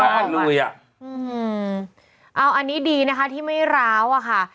อือหือเอาอันนี้ดีนะคะที่ไม่ล้าวอะค่ะ